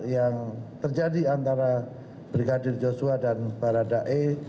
yang terjadi antara brigadir joshua dan para dae